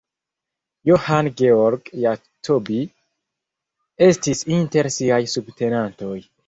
Johann Georg Jacobi estis inter siaj subtenantoj.